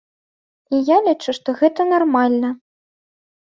І я лічу, што гэта нармальна.